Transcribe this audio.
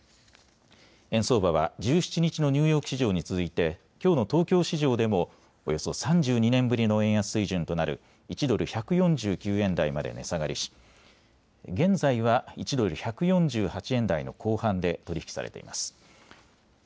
円相場は１７日のニューヨーク市場に続いてきょうの東京市場でもおよそ３２年ぶりの円安水準となる１ドル１４９円台まで値下がりし現在は１ドル１４８円台の後半で取り引きされています。